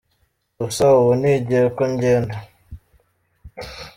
Gusa ubu ni igihe ko ngenda.